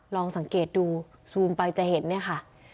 ลองสังเกตดูซูมไปจะเห็นเนี่ยค่ะ